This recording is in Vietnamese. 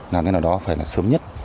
làm thế nào đó phải sớm nhất